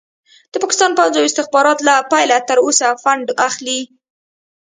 د پاکستان پوځ او استخبارات له پيله تر اوسه فنډ اخلي.